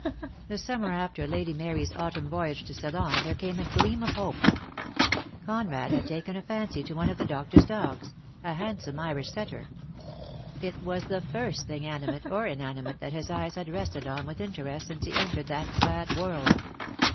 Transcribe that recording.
The summer after Lady Mary's autumn voyage to Ceylon, there came a gleam of hope. Conrad had taken a fancy to one of the doctor's dogs, a handsome Irish setter. It was the first thing animate or inanimate that his eyes had rested on with interest since he entered that sad world.